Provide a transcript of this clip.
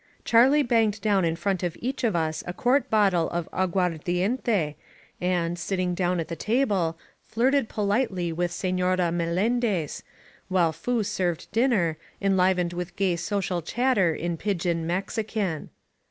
Charlie banged down in front of each of us a quart bottle of aguardiente^ and, sitting down at the table, flirted politely with Senora Melendez, while Foo served dinner, enlivened with gay social chatter in pid gin Mexican.